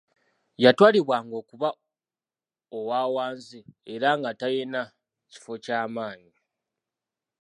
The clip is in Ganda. Yatwalibwanga okuba owa wansi era nga talina kifo ky'amaanyi